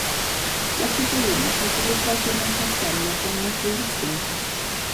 La cittadina si sviluppò attorno al castello che non è più esistente.